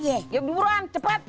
ya bu buruan cepat